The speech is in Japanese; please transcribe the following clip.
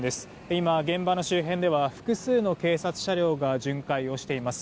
今、現場の周辺では複数の警察車両が巡回をしています。